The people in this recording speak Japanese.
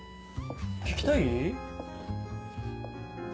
聞きたい？